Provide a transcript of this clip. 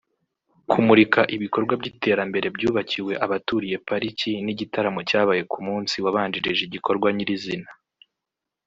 kumurika ibikorwa by’iterambere byubakiwe abaturiye Pariki n’igitaramo cyabaye ku munsi wabanjirije igikorwa nyir’izina